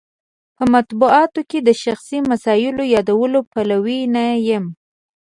په مطبوعاتو کې د شخصي مسایلو یادولو پلوی نه یم.